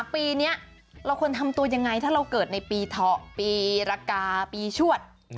ปีนี้เราควรทำตัวยังไงถ้าเราเกิดในปีเถาะปีรกาปีชวด